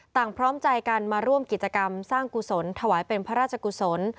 พร้อมใจกันมาร่วมกิจกรรมสร้างกุศลถวายเป็นพระราชกุศล